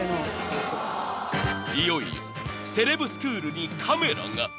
［いよいよセレブスクールにカメラが］